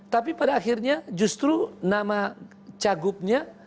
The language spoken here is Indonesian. tapi pada akhirnya justru nama cagupnya